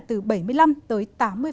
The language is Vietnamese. từ bảy mươi năm tới tám mươi